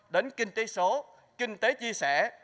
đến kinh tế số kinh tế chia sẻ